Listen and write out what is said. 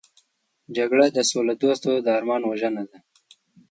جګړه د سولهدوستو د ارمان وژنه ده